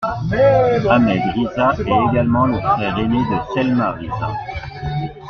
Ahmed Riza est également le frère aîné de Selma Rıza.